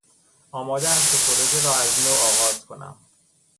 آمادهام که پروژه را از نو آغاز کنم.